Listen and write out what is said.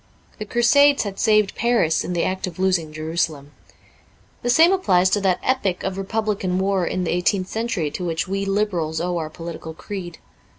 The Crusades had saved Paris in the act of losing Jerusalem. The same applies to that epic of Re publican war in the eighteenth century to which we Liberals owe our political creed.